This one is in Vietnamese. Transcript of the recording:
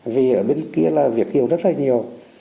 vì ở bên kia là việt yêu rất là nhiều